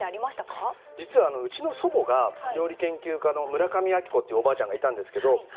実はうちの祖母が料理研究家の村上昭子っていうおばあちゃんがいたんですけど。